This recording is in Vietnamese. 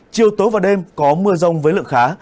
chiều tối và đêm có mưa rông với lượng khá